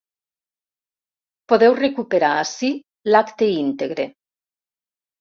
Podeu recuperar ací l’acte íntegre.